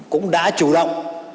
cũng đã chủ động